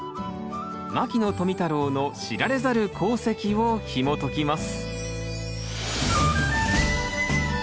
牧野富太郎の知られざる功績をひもときます